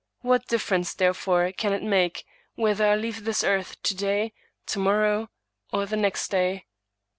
What difference, therefore, can it make whether I leave this earth to day, to morrow, or the next day?